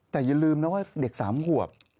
แต่อย่าลืมนะว่าเด็ก๓ขวบ